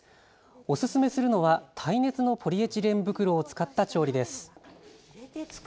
おすすめするのは耐熱のポリエチレン袋を使った調理です。